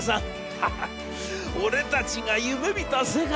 『ハハッ俺たちが夢みた世界だな！』。